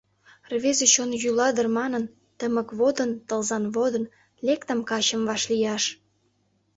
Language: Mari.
Рвезе чон йӱла дыр манын, Тымык водын, тылзан водын Лектым качым вашлияш.